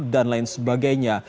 dan lain sebagainya